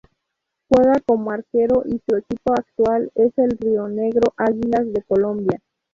Juega como Arquero y su equipo actual es el Rionegro Águilas de Colombia.